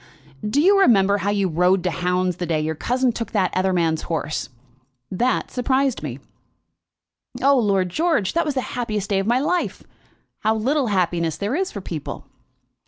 "Do you remember how you rode to hounds the day your cousin took that other man's horse? That surprised me." "Oh, Lord George, that was the happiest day of my life. How little happiness there is for people!"